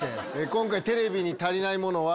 今回テレビに足りないものは。